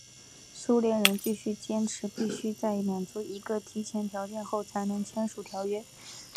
苏联人继续坚持必须在满足一个前提条件后才能签署条约。